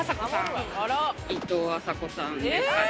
いとうあさこさんですね。